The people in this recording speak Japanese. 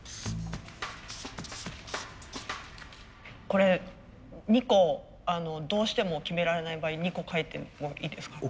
これ２個どうしても決められない場合２個かいてもいいですか？